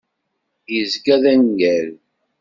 Izga d aneggaru.